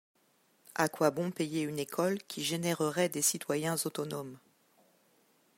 A quoi bon payer une école qui générerait des citoyens autonomes